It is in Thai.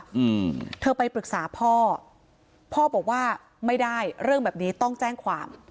อืมเธอไปปรึกษาพ่อพ่อบอกว่าไม่ได้เรื่องแบบนี้ต้องแจ้งความ